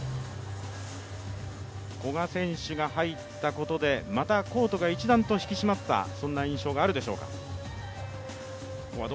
古賀選手が入ったことでまたコートが一段と引き締まったそんな印象があるでしょうか。